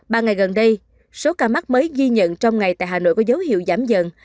ba ngày gần đây số ca mắc mới ghi nhận trong ngày tại hà nội có dấu hiệu giảm dần